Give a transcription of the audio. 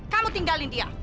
kamu tinggalin dia